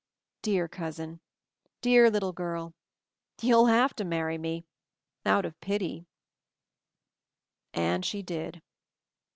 Dear cousin — dear little girl — you'll have to marry me — out of pity 1" And she did.